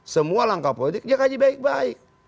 semua langkah politik dia kaji baik baik